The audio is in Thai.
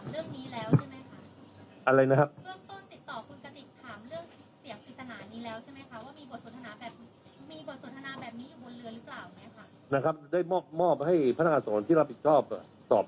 ว่ามีบทสวทนาแบบมีบทสวทนาแบบนี้อยู่บนเรือหรือเปล่าไหมคะนะครับได้มอบมอบให้พนักอาสนที่รับผิดชอบ